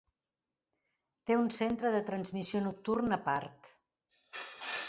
Té un centre de transmissió nocturn a part.